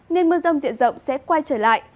nên mưa rông diện rộng sẽ quay trở lại